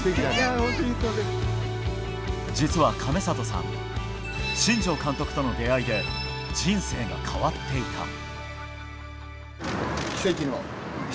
実は亀里さん新庄監督との出会いで人生が変わっていた。